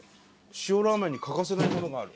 塩ラーメンに欠かせないものがある。